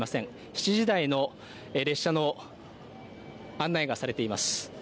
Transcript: ７時台の列車の案内がされています。